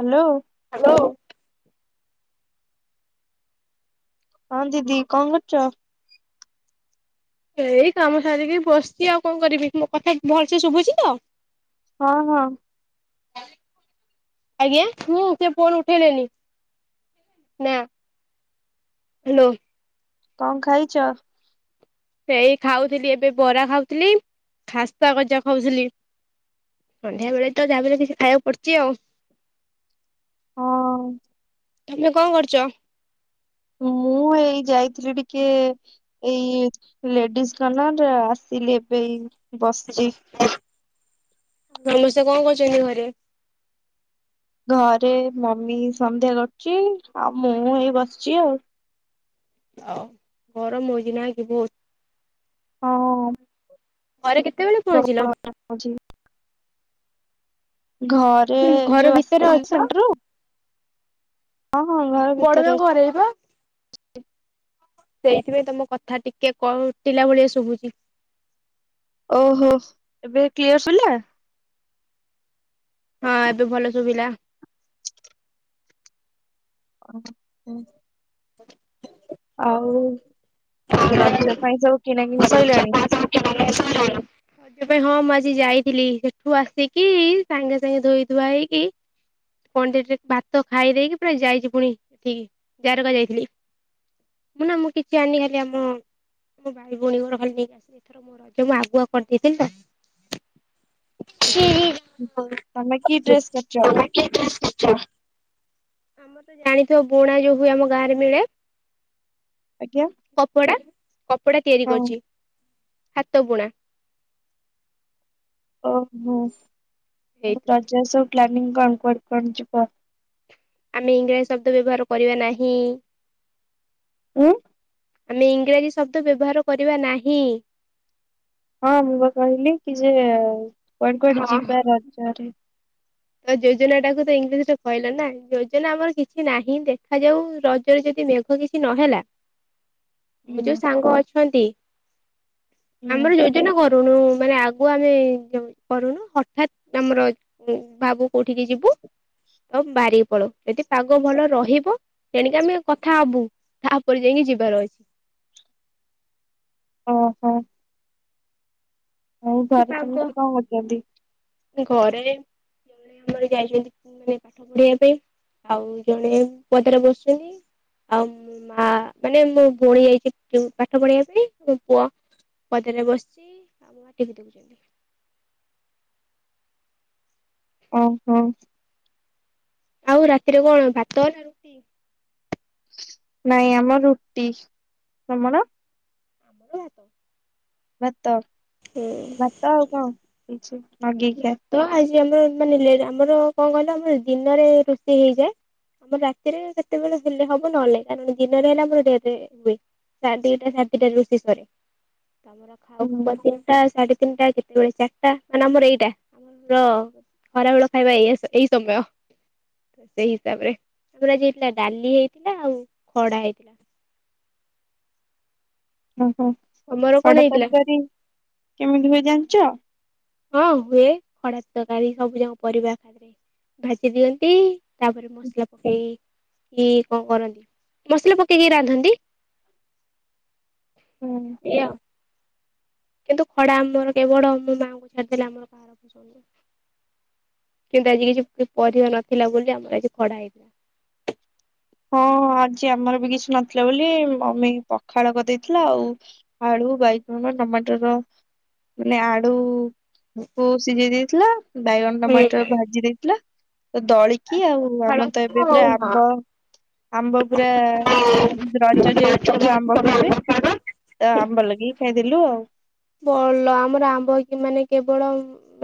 Hello. Hello. ହଁ ଦିଦି କଁ କରୁଚ? ଏଇ କାମ ସାରିକି ବସିଚି ଆଉ କଁ କରିବି ମୋ କଥା ଭଲସେ ଶୁଭୁଚି ତ? ହଁ ହଁ। ଆଜ୍ଞା ମୁଁ ସିଏ ଫୋନ୍ ଉଠେଇଲେନି। ନା ହାଲୋ। କଁ ଖାଇଚ? ସେଇ ଖାଉଥିଲି ଏବେ ବରା ଖାଉତିଲି ଖାସ୍ତା ଗଜା ଖାଉଥିଲି। ସନ୍ଧ୍ୟା ବେଳେ ତ ଯାହାବି ଏଲେ କିଛି ଖାଇୟାକୁ ପଡୁଚି ଆଉ। ହଁ। ତମେ କଁ କରୁଚ଼? ମୁଁ ଏଇ ଯାଇଥିଲି ଟିକେ ଏଇ ଲେଡିସ୍ କନର ଆସିଲି ଏବେ ଏଇ ବସିଚି। ସମସ୍ତେ କଁ କରୁଚନ୍ତି ଘରେ? ଘରେ ମମି ସନ୍ଧ୍ୟା କରୁଚି ଆଉ ମୁଁ ହେଇ ବସିଚି ଆଉ। ଆଉ ଗରମ ହଉଚି ନା କି ବହୁତ୍। ହଁ। ଘରେ କେତେବେଳେ ପହଞ୍ଚିଲ? [unintelligible] ଘରେ ଘର ଯୋଉ ଭିତରେ ଅଛ ଆସିଥିଲି ସେଣ୍ଟରରୁୁ ଅଁ ହଁ [unintelligible] ବଡ ମାଆ ଅଛି। ଘରେ ଏଇପା। ସେଇଥିପାଇଁ ତମ କଥା ଟିକେ କଟିଲା ଭଳିଆ ଶୁଭୁଚି। ଓହୋ ଏବେ କ୍ଲିୟର ସୁଲା? ହଁ ଏବେ ଭଲ ଶୁଭିଲା। ଅ [unintelligible] ହ ଆଉ ରଜ ପାଇଁ ସବୁ କିଣାକିଣି ସଇଲାଣି। [inaudible] ହଜ ପାଇଁ ହଁ ମୁଁ ଆଜି ଯାଇଥିଲି ସେଠୁ ଆସିକି ସାଙ୍ଗେ ସାଙ୍ଗେ ଧୋଇ ଧୁଆ ହେଇକି କଡିରେ ଭାତ ଖାଇ ଦେଇକି ପୁରା ଯାଇଛି ପୁଣି ଏଠିକି ଜାରକା ଯାଇଥିଲି। ମୁଁ ନା ମୁଁ କିଛି ଆଣ ଖାଲି ଆମ ମୋ ଭାଇ ଭଉଣୀ ଗୋର ଭଲି ନେଇକି ଆସିିଲ। ମୁଁ ଆଗୁଆ କରିଦେଇଥିଲି ତ। ତମେ କି ଡ୍ରେସ୍ କରିଛ? ଜାଣିଥିବା ବୁଣା ଯୋଉ ହୁଏ ଆମ ଗାଁ ରେ ମିଳେ। ଆଜ୍ଞା। କପଡା କପଡା ତିଆରି ହଁ କରୁଛି ହାତ ବୁଣା। ଓହୋ ଆଉ ହେଇଥିରୁ ରଜ ସବୁ ପ୍ଲାନିଂ କଣ କୁଆଡ଼େ କଣ ଯିବ? ଆମେ ଇଂରାଜୀ ଶବ୍ଦ ବ୍ୟବହାର କରିବା ନାହିଁ। ଉଁ। ଆମେ ଇଂରାଜୀ ଶବ୍ଦ ବ୍ୟବହାର କରିବା ନାହିଁ। ହଁ ମୁଁ ବା କହିଲି କି ଯେ କୁଆଡେ କୁଆଡେ ହଁ ଯିବା ରଜରେ। ତ ଯୋଜନା ଟା ତାକୁ ତ ଇଂଲିଶରେ କହିଲ ନା ଯୋଜନା ଆମର କିଛି ନାହିଁ ଦେଖାଯାଉ ରଜରେ ଯଦି ମେଘ ଦଖ କିଛି ନହେଲା ମୋ ହୁଁ ଯୋଉ ସାଙ୍ଗ ଅଛନ୍ତି। ହୁଁ ଆମର ଯୋଉ କରୁନୁ ମାନେ ଆଗୁ ଆମେ କରୁନୁ ହଠାତ୍ ଆମର ଭାବୁ କୋଉଠିକି ଯିବୁ ତମ ବାରିିକ ପଳଉ। ଯଦି ପାଗ ଭଲ ରହିବ ତଣିକି ଆମେ କଥା ହବୁ ତା ଉପରେ ଯାଇକି ଯିବାର ଅଛି। ଓହୋ। ଆଉ ଯଦି ଘରେ ପାଗ କେମିତି କଣ କରୁଛନ୍ତି? ଘରେ ଜଣେ ଯାଇଛନ୍ତି ମାନେ ପାଠ ପଢେଇିବା ପାଇଁ ଆଉ ଜଣେ ପଦାରେ ବସିଛନ୍ତି। ଆଉ ମା ମାନେ ମୁଁ ଭଉଣୀ ଯାଇଛି ପାଠ ପଢେଇିବା ପାଇଁ ମୋ ପୁଅ ପଦରେ ବସିଛି ଆମ ମାଟିିକି ଦେଖୁଛନ୍ତି। [unintelligible] ଓହୋ। ଆଉ ରାତିରେ କଣ ଭାତ ରୁଟି? ନାଇଁ ଆମ ରୁଟି ତମର? [unintelligible] ଭାତ ହୁଁ। ଭାତ ଆଉ କଣ ନଗେଇଖିଆ? ତ ଆଜି ଆମର ମାନେ ଆମର କଣ କହିଲ ଆମର ଦିନରେ ରୋଷେଇ ହେଇଯାଏ। ଆମର ରାତିରେ କେତେବେଳେ ହେଲେ ହବ ନହେଲେ କାରଣ ଦିନରେ ହେଲେ ଆମର ଆରେ ହୁଏ। ସ ଦିଟା ସାତ ଦିଟା ରୋଷି ସରେ ତମର। [unintelligible] ଖାଉ ହୁଁ ଖାଉ ତିନିଟା ସାଢେତିନିଟା କେତେବେଳେ ଚାରିଟା ମାନେ ଆମର ଏଇ ଟା ର ଖରାବେଳ ଖାଇବା ଏଇଆ ଏଇ ସମୟ। ସେଇ ହିସାବ ରେ ଆମର ଆଜି ହେଇଥିଲା ଡାଲି ହେଇଥିଲା ଆଉ ଖଡା ହେଇଥିଲା। ଓହୋ ତମର କଣ ଖଡ଼ଆ ହେଇଥିଲା? ତରକାରୀ କେମିତି ହୁଏ ଜାଣିଛ? ହଁ ହୁଏ ଖଡା ତରକାରୀ ସବୁ ଯାକ ପରିବା ଭାଜି ଦିଅନ୍ତି ତାପରେ ମସଲା ପକେଇ ଏଇ କଣ କରନ୍ତି ମସଲା ପକେଇକି ରାନ୍ଧନ୍ତି। ହୁଁ ଏଇଆ ଆଉ। କିନ୍ତୁ, ଖଡା ଆମର କେବଳ ମୋ ମାଆଙ୍କୁ ଛାଡିଦେଲେ ଆମର କିନ୍ତୁ ଆଜି କିଛି ପରିବା ନଥିଲା ବୋଲି, ଆମର ଆଜି ଖଡା ହେଇଥିଲା। ହଁଁ ଆଜି ଆମର ବି କିଛି ନଥିଲା ବୋଲି ମମି ପଖାଳ କରିଦେଇଥିଲା। ଆଉ ଆଳୁ ବାଇଗଣ ଟମାଟର ମାନେ ଆଳୁ ହୁଁ [unintelligible] ବୋଉ ସିଝେଇ ଦେଇଥିଲା ବାଇଗଣ ଟମାଟୋ ଭାଜି ଦେଇଥିଲା ଦଳିକି କି ଆଉ, ଭଲ ଆମର ତ ଏବେ ପୁରା ଆମ୍ବ ଆମ୍ବ ପୁରା ରଜ ଯେହେତୁ, ସବୁ ଆମ୍ବ ଖାଇବେ। ତ, ଆମ୍ବ ଲଗେଇକି ଖାଇଦେଲୁ ଆଉ। ଭଲ ଆମର ଆମ୍ବ ହେଇଛି ମାନେ କେବଳ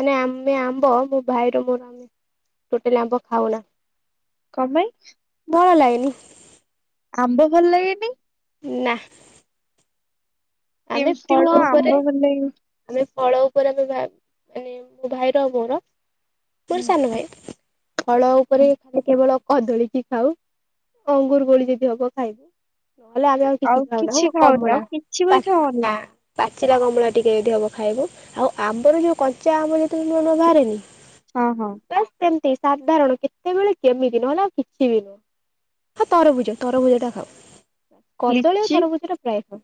ମାନେ ଆମେ ଆମ୍ବ ମୋ ଭାଇର ମୋର ଟୋଟାଲି ଆମ୍ବ ଖାଉନା। କଁ ପାଇଁ? ଭଲ ଲାଗେନି। ଆମ୍ବ ଭଲ ଲାଗେନି? ନା। ଆମେ କେମିତି ମୁଁ ଫଳ ଉପରେ ଆମ୍ବ ଭଲ ଲାଗେନି ଆମେ ଫଳ ଉପରେ ଆମେ ଭା ମାନେ, ମୋ ଭାଇର ଆଉ ମୋର, ମୋର ସାନ ଭାଇ। ଫଳ ଉପରେ ଖାଲି କେବଳ କଦଳୀ କି ଖାଉ, ଅଙ୍ଗୁର କୋଳି ଯଦି ହବ ଖାଇବୁ। ନହେଲେ ଆମେ ଆଉ କିଛି ଖାଉନାହୁଁ ଖାଉନି କମଳା, ଆଉ କିଛି ବି ତା ଖାଉନି ନା। ପାଚିଲା କମଳା ଟିକେ ଏଠି ହବ ଖାଇବୁ, ଆଉ ଆମ୍ବରୁ ଯୋଉ କଞ୍ଚା ଆମ୍ବ ଯେତେବେଳେ ନୂଆ, ନୂଆ ବାହାରେନି ହଁ ହଁ। ବାସ୍ ସେମତି ସାଧାରଣ କେତେବେଳେ କେମିତି, ନହେଲେ ଆଉ କିଛି ବି ନୁହଁ। ହଁ ତରଭୁଜ, ତରଭୁଜ ଟା ଖାଉ। କଦଳୀ ଆଉ ଲିଚି ତରଭୁଜା ଟା ପ୍ରାୟ ଖାଉ।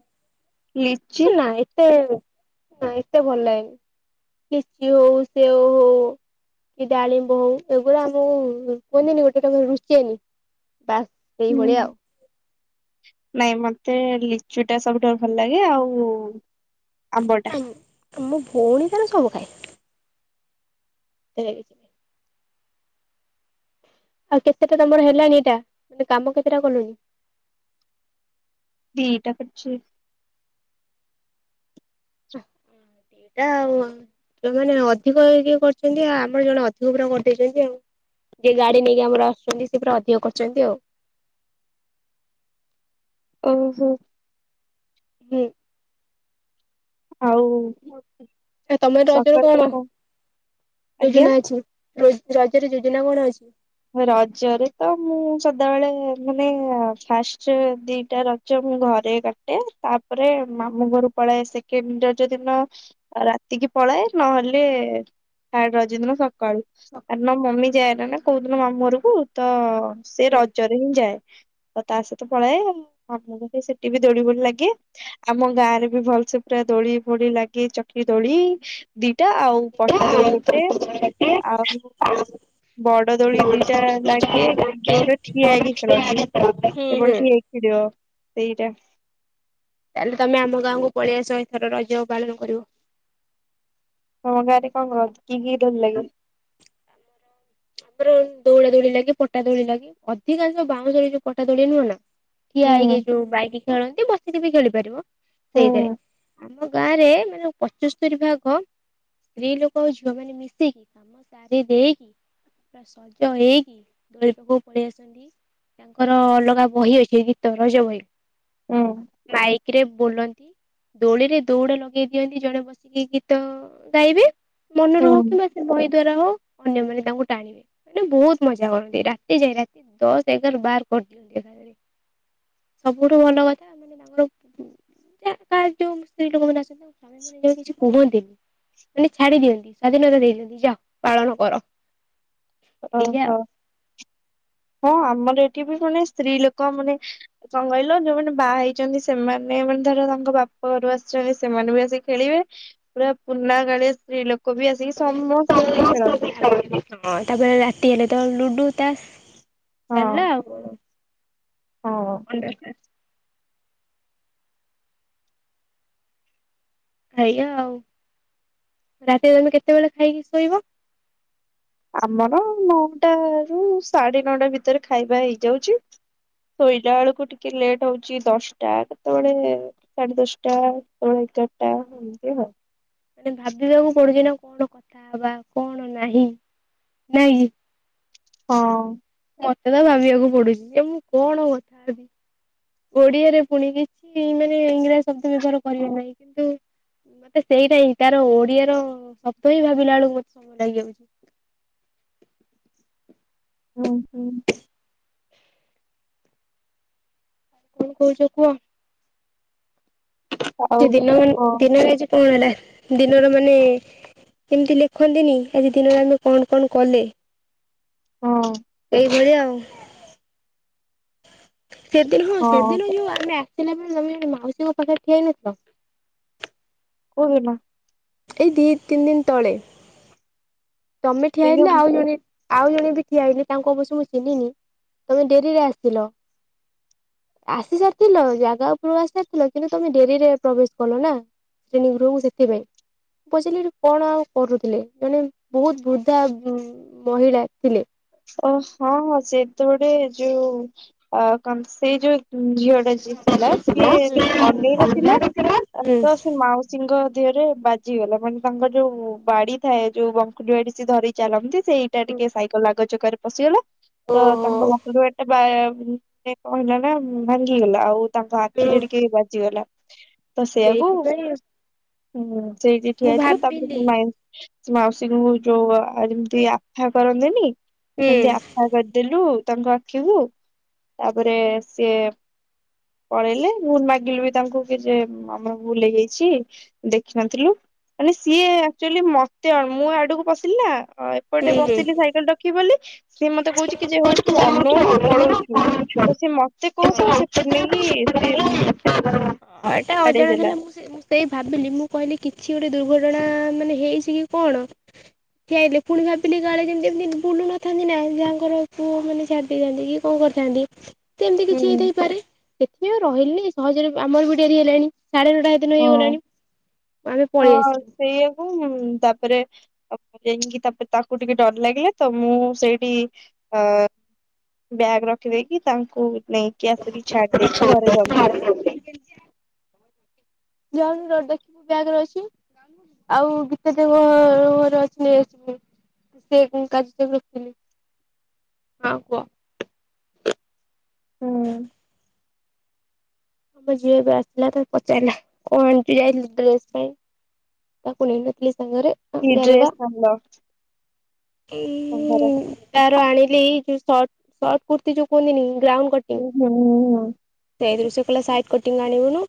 ଲିଚି ନା ଏତେ, ନା ଏତେ ଭଲ ଲାଗେନି। କିଛି ହଉ, ସେ ଓ ହଉ କି ଡାଳିମ୍ବ ହୋଉ ଏଗୁଡା ଆମକୁ କୁହନ୍ତିନି ଗୋଟେ ରୁଚେନି ବାସ୍। ହୁଁ। ସେଇଭଳିଆ ଆଉ। ନାଇଁ ମତେ ଲିଚୁ ଟା ସବୁଠାରୁ ଭଲ ଲାଗେ, ଆଉ ଆମ୍ବଟା ଆମୋ ଭଉଣୀ ତାର ସବୁ ଖାଏ। [unintelligible] ଆଉ କେତେଟା ତମର ହେଲାଣି ଏଇଟା, ମାନେ କାମ କେତେଟା କଲୁଣି? ଦିଟା କରିଚି। [unintelligible] ଯଉମାନେ ଅଧିକ ଇଏ କରିଛନ୍ତି, ଆମର ଜଣେ ଅଧିକ ପୁରା କରିଦେଇଛନ୍ତି ଆଉ। ଯେ ଗାଡି ନେଇକି ଆମର ଆସୁଛନ୍ତି ସେ ପୁରା ଅଧିକ କରିଚନ୍ତି ଆଉ। ଓହୋ। ହୁଁ। ଆଉ ଆ ତମେ ରଜର କଣ ଆଜ୍ଞା ଯୋଜନା ଅଛି? ରୋଜ୍ ରଜରେ ଯୋଜନା କଣ ଅଛି? ରଜରେ ତ, ମୁଁ ସଦାବେଳେ ମାନେ ଫାଷ୍ଟ ଦିଟା ର ଜ ମୁଁ ଘରେ କାଟେ, ତାପରେ ମାମୁଁ ଘରୁ ପଳାଏ ସେକେଣ୍ଡ ରଜଦିନ ଆଉ ରାତିକି ପଳାଏ, ନହେଲେ ଥାର୍ଡ ରଜ ଦିନ ସ କାଳୁ କାରଣ ମମି ଯାଏନା ନା କୋଉଦିନ ମାମୁଁ ଘରକୁ ତ ସେ ହୁଁ ରଜରେ ହିଁ ଯାଏ। ଆଉ ତା ସହିତ ପଳାଏ ଆପଣଙ୍କ ସେଠି ବି ଦୋଳି ଫୋଳି ଲାଗେ। ଆମ ଗାଁ ରେ ବି ଭଲସେ ପୁରା ଦୋଳି ଫୋଳି ଲାଗେ ଚକି ଦୋଳି ଦିଟା ଆଉ ପ ଟା ଦୋଳି ଗୋଟେ, ଆଉ ବଡ ଦୋଳି ଦିଟା ଲାଗେ ଯୋଉଟା ଠିଆ ହେଇକି ଖେଳନ୍ତି ହୁଁ କେବଳ ଠିଆ ଭିଡିଓ ସେଇଟା। ତାହେଲେ ତମେ ଆମ ଗାଁକୁ ପଳେଇଆସ ଏଇଥର ରଜ ପାଳନ କରିବ। ତମ ଗାଁରେ କଣ କର କି କି ଦୋଳି ଲାଗେ? ଆମର ଦୌଡ଼ା ଦୋଳି ଲାଗେ ପଟା ଦୋଳି ଲାଗେ ଅଧିକାଂଶ ବାଉଁଶ ରେ ଯୋଉ ପଟା ଦୌଳି ନୁହଁ ନା ଠିଆ ହୁଁ ହେଇକି ଯୋଉ ବାଇକି ଖେଳନ୍ତି ବସିକି ବି ଖେଳି ପାରିବ। ହୁଁ ସେଇଥିରେ ଆମ ଗାଁରେ ମାନେ ପଚସ୍ତୋରି ଭାଗ ସ୍ତ୍ରୀ ଲୋକ ଆଉ ଝିଅ ମାନେ ମିଶିକି କାମ ସାରି ଦେଇକି ପୁରା ସଜ ହେଇକି ଦୋଳି ପାଖକୁ ପଳେଇ ଆସନ୍ତି। ତାଙ୍କର ଅଲଗା ବହି ଅଛି ଗୀତ ରଜ ବହି। ହୁଁ ମାଇକରେ ବୁଲନ୍ ଦୋଳିରେ ଦୌଡ ଲଗେଇ ଦିଅନ୍ତି ଜଣେ ବସିକି ଗୀତ ଗାଇବେ ମନ ର ହୁଁ ହଉ କିମ୍ବା ସେ ବହି ଦ୍ଵାରା ହଉ ଅନ୍ୟମାନେ ତାଙ୍କୁ ଟାଣିବେ ମାନେ ବହୁତ ମଜା କରନ୍ତି ରାତି ଯାଏ ରାତି ଦଶ ଏଗାର ବାର କରିଦିଅନ୍ତି। ସବୁଠୁ ଭଲ କଥା ମାନେ ତାଙ୍କର କା ଯୋଉ ସ୍ତ୍ରୀ ଲୋକ ମାନେ ଆସନ୍ତି। ମ କିଛି କୁହନ୍ତିନି ମାନେ ଛାଡି ଦିଅନ୍ତି ସ୍ଵାଧୀନତା ଦେଇ ଦିଅନ୍ତି ଯାଅ ପାଳନ କର। ଏଇଆ ଓହୋ। ଆଉ। ହଁ ଆମର ଏଠି ବି ମାନେ ସ୍ତ୍ରୀ ଲୋକ ମାନେ କଣ କହିଲ ଯୋଉମାନେ ବାହା ହେଇଛନ୍ତି ସେମାନେ ମାନେ ଧର ତାଙ୍କ ବାପ ଘରୁ ଆସିଛନ୍ତି ସେମାନେ ବି ଆସିିକି ଖେଳିବେ। ପୁରା ପୁରୁଣା ଗାଳିଆ ସ୍ତ୍ରୀ ଲୋକ ବି ଆସିକି ସମସ୍ତେ ଆସିିକି ଖେଳନ୍ତି। ହଁ ତାପରେ ରାତି ହେଲେ ତ ଲୁଡୁ ତାସ ଚାଲିଲା ହଁ। ଆଉ କଣ ଆଉ ହଁ କଣ ଦରକାର ଖାଇବା ଆଉ ରାତିରେ ତମେ କେତେବେଳେ ଖାଇକି ଶୋଇବ? ଆମର ନଅଟା ରୁ ସାଢେ ନଅଟା ଭିତରେ ଖାଇବା ହେଇଯାଉଛି। ଶୋଇଲା ବେଳକୁ ଟିକେ ଲେଟ୍ ହଉଛି ଦଶଟା କେତେବେଳେ ସାଢେ ଦଶଟା କେତେବେଳେ ଏଗାରଟା ଏମତି ଆଉ। ମାନେ ଭାବିବାକୁ ପଡୁଛି ନା କଣ କଥା ବା କଣ ନାହିଁ ନାଇଁ କି? ହଁ। ମତେ ତ ଭାବିବାକୁ ପଡୁଛି ଯେ ମୁଁ କଣ କଥା ହେବି? ଓଡିଆରେ ପୁଣି କିଛି ମାନେ ଇଂରାଜୀ ଶବ୍ଦ ବ୍ୟବହାର କରିବେ ନାହିଁ। କିନ୍ତୁ ମତେ ସେଇଟା ହିଁ ତାର ଓଡିଆର ଶବ୍ଦ ହିଁ ଭାବିଲା ବେଳକୁ ମତେ ସମୟ ଲାଗିଯାଉଛି। ହୁଁ ହୁଁ। କଣ କହୁଛ କୁହ? ଯେ ଆଉ ଦିନ ମାନ କ ଦିନରେ ଆଜି କଣ ହେଲା ଦିନର ମାନେ ଏମିତି ଲେଖନ୍ତିନି ଆଜି ଦିନରେ ଆମେ କଣ କଣ କଲେ? ହଁ। ଏଇ ଭଳିଆ ଆଉ। ସେଦିନ ହଁ ସେଦିନ ଯୋଉ ଆମେ ଆସିଲା ବେଳେ ତମେ ଯୋ ମାଉସୀଙ୍କ ପାଖରେ ଠିଆ ହେଇନଥିଲ। କଉ ଦିନ? ଏଇ ଦି ତିନ ଦିନ ତଳେ ତମେ ଠିଆ ସେଇ ହେଇଥିଲ ଯୋଉ ଆଉ ଜଣେ ଆଉ ଜଣେ ବି ଠିଆ ହେଇଥିଲେ ତାଙ୍କୁ ଅବଶ୍ୟ ମୁଁ ଚିହ୍ନିନି ତମେ ଡେରିରେ ଆସିଲ। ଆସି ସାରିଥିଲ ଜାଗା ଉପରକୁ ଆସି ସାରିଥିଲ କିନ୍ତୁ ତମେ ଡେରିରେ ପ୍ରବେଶ କଲ ନା। ଶ୍ରେଣୀ ଗୃହକୁ ସେଥିପାଇଁ ପଚାଲି କଣ ଆଉ କରୁଥିଲେ ଜଣେ ବହୁତ ବୃଦ୍ଧା ଉଁ ମହିଳା ଥିଲେ। ଓ ହଁ ସେତ ଗୋଟେ ଯୋଉ ଅ କ ସେଇ ଯୋଉ ଝିଅ ଟା ଯିଏ ଥିଲା ସିଏ ଅନେଇ ନଥିଲା ତ ସେ ମାଉସୀ ସିଙ୍କ ଦେହରେ ବାଜିଗଲା ମାନେ ତାଙ୍କର ଯୋଉ ବାଡି ଥାଏ ଯୋଉ ବଙ୍କୁଡି ବାଡି ସେ ଧରି ଚାଲନ୍ତି। ସେ ଏଇଟା ହୁଁ ଟିକେ ସାଇକେଲ ଆଗ ଚକାରେ ପଶିଗଲା ତ ଓହୋ ତାଙ୍କ ବଙ୍କୁଡ଼ି ବାଡ଼ି ଟା ବା କଣହେଲା ନା ଭାଙ୍ଗିଗଲା ଆଉ ତାଙ୍କ ହୁଁ ଆଖିରେ ଟିକେ ବାଜିଗଲା। ତ ସେଇଆକୁ ସେଇଥିପାଇଁ ଉମ ସେଇଠି ଠିଆ ମୁଁ ହେଇଥିଲୁ ତାପରେ ଭାବିଲି ମା ମାଉସୀଙ୍କୁ ଯୋଉ ଆ ଯେମିତି ଆଫା କରନ୍ତିନି? ସେମତି ଆଫା କରିଦେଲୁ ତାଙ୍କ ଆଖିକୁ, ତାପରେ ସିଏ ପଳେଇଲେ ମୁଁ ମାଗିଲି ବି ତାଙ୍କୁ କି ଯେ ଆମର ଭୁଲ ହେଇ ଯାଇଛି ଦେଖିନଥିଲୁ। ମାନେ ସିଏ ଆକ୍ଚୁଆଲି ମତେ ଆ ମୁଁ ଆଡକୁ ପଶିଲିନା ଅ ଏପଟେ ହୁଁ ବସିଲି ସାଇକେଲ ରଖିବି ବୋଲି, ସିଏ ମତେ କହୁଛି କି ଯେ ହଉତୁ ହୁଁ ଅନଉନୁ ପଳଉଛୁ। ହୁଁ ତ ସେ ମତେ କହୁ କହୁ ସେପଟେ ନେଇକି ସେ ଉମ ହଁ ଏଟା ଅଜଣା ଥିଲା ମୁଁ ସେ ମୁଁ ସେ ସେଇ ଭାବିଲି ମୁଁ କହିଲି କିଛି ଗୋଟେ ଦୁର୍ଘଟଣା ମାନେ ହେଇଛି କି କଣ ଠିଆ ହେଇଥିଲି ପୁଣି ଭାବିଲି କାଳେ ଯେମିତି ଏମିତି ବୁଲୁନଥାନ୍ତି ନା ଯାହାଙ୍କର ପୁଅମାନେ ଛାଡି ଦେଇଯାନ୍ତି ଇଏ କଣ କରିଥାନ୍ତି।? ସେମିତି କିଛି ହୁଁ ହେଇଥାଇପାରେ, ସେଥିପାଇଁ ଆଉ ରହିଲିନି ସହଜରେ ଆମର ବି ଡେରି ହେଲାଣି ସାଢେ ନଅଟା ସେଦିନ ହଁ ହେଇଗଲାଣି ଆମେ ପଳେଇ ହଁ ଆସିଲୁ। ସେଇଆକୁ ଉମ ତାପରେ ଯାଇଁକି ତାପରେ ତାକୁ ଟିକେ ଡର ଲାଗିଲା ତ ମୁଁ ସେଇଠି ଅ ବ୍ୟାଗ ରଖିଦେଇକି ତାଙ୍କୁ ନେଇକି ଆସିକି ଛାଡି ଦେଇକି ଘରେ ଗଲି। ଜାଉନୁ ରୋ ଦେଖିବୁ ବ୍ୟାଗରେ ଅଛି। ଆଉ ଗୀତା ଦେଇଙ୍କ ଘରୁ ଘରେ ଅଛି ନେଇଆସିବୁ। ସେ କାର୍ଯ୍ୟ କୁ ରଖିଲି ହଁ କୁହ। ହୁଁ ଆମ ଝିଅ ଏବେ ଆସିଲା ତ ପଚାରିଲା, କଣ ଆଣିଛୁ ଯାଇଥିଲୁ ଡ୍ରେସ ପାଇଁ। ତାକୁ ନେଇନଥିଲେ ସାଙ୍ଗରେଅ ଜାରକା ଏଇ ତାର ଆଣିଲି ଏ ଯୋଉ ସଟ୍ ସଟ୍ କୁର୍ତୀ ଯୋଉ କୁହନ୍ତିନି, ଗ୍ରାଉଣ୍ଡ ଡ୍ରେସ ନା ହୁଁ ହୁଁଁ [unintelligible] ଯାଇଥିଲୁ ସେ କହିଲା ସାଇଟ୍କଟିଙ୍ଗ୍ ଆଣିବୁନୁ।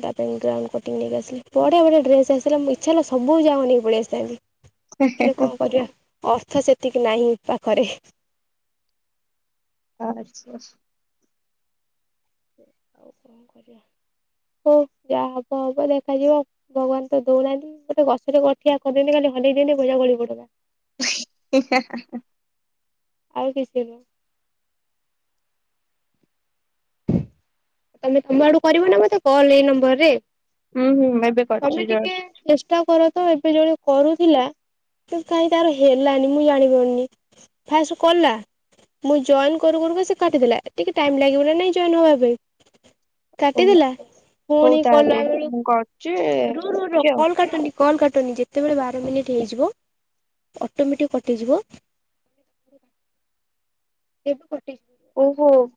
ତା ପାଇଁ ରାଉଣ୍ଡ କଟିିଙ୍ଗ୍ ନେଇ ଆସିଲି, ବଢିଆ ବଢିଆ ଡ୍ରେସ ଆସିଲା ମୋ ଇଚ୍ଛା ହେଲା ସବୁ ଯାକଁ ନେଇକି ପଳେଇଆସିଥାନ୍ତି। ହେଲେ କଣ କରିବା ଅର୍ଥ ସେତିକି ନାହିଁ ପାଖରେ। ଆ [unintelligible] ଆଉ କଣ କରିବା, ହଉ ଯାହା ହବ ହବ ଦେଖାଯିବ। ଭଗବାନ ତ ଦଉନାହାନ୍ତି, ଗୋଟେ ଗଛରେ ଗଠିଆ କରିଦିଅନ୍ତେ ଖାଲି ହଲେଇ ଦିଅନ୍ତି ପଇସା ଗଳି ପଡନ୍ତା। ହିଁ ହାଁ ହାଁ ହାଁ ଆଉ କିଛି ନୁହଁ। ତମେ ତମ ଆଡୁ କରିବ ନା ମତେ କଲ୍ ଏଇ ନମ୍ବର ରେ? ଏବେ କରିଛି ତମେ ଟିକେ ଜଷ୍ଟ ଚେଷ୍ଟା କର ତ ଏବେ ଜଣେ କରୁଥିଲା, ତ କାଇଁ ତାର ହେଲାନି ମୁଁ ଜାଣି ପାରୁନି। ଫାଷ୍ଟ କଲା ମୁଁ ଜଏନ୍ କରୁ କରୁ କା ସେ କାଟିଦେଲା, ଟିକେ ଟାଇମ୍ ଲାଗିବ ନା ନାଇଁ ଜଏନ୍ ହବା ପାଇଁ, ହଉ କାଟିଦେଲା ହଉ ପୁଣି ତାହେଲେ କଲାବେଳକୁ ମୁଁ କରୁଛି ରୁ ରୁ ରୁହ ରହୁଛି ଆଉ କଲ୍ କାଟନି। କଲ କାଟନି ଯେତେବେଳେ ବାର ମିନିଟ୍ ହେଇଯିବ ଅଟୋମେଟିକ କଟିଯିବ ଏବେ କଟିଯିବ ଓହୋ